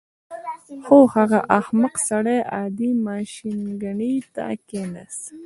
خو هغه احمق سړی عادي ماشینګڼې ته کېناست